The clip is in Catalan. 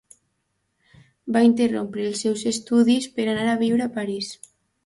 Va interrompre els seus estudis per anar a viure a París.